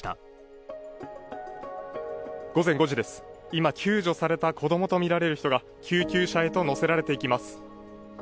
今救助されたとみられる子供が救急車へと乗せられていきます。